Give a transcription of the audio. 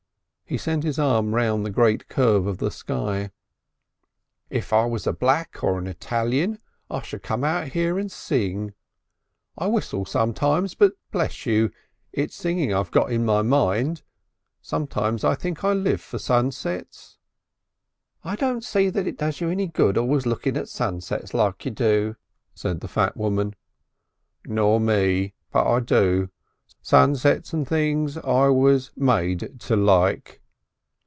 He sent his arm round the great curve of the sky. "If I was a nigger or an Italian I should come out here and sing. I whistle sometimes, but bless you, it's singing I've got in my mind. Sometimes I think I live for sunsets." "I don't see that it does you any good always looking at sunsets like you do," said the fat woman. "Nor me. But I do. Sunsets and things I was made to like."